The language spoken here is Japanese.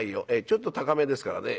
ちょっと高めですからね。